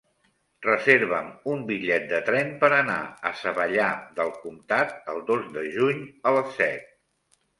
Reserva'm un bitllet de tren per anar a Savallà del Comtat el dos de juny a les set.